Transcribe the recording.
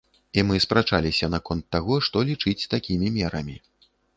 І мы спрачаліся наконт таго, што лічыць такімі мерамі.